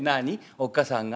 おっかさんが？